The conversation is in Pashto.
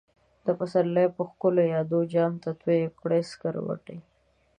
دپسرلی په ښکلو يادو، جام ته تويې کړه سکروټی